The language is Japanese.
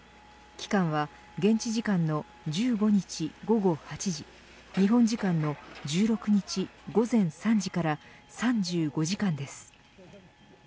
期間は現地時間の１５日、午後８時日本時間の１６日午前３時から３５時間です。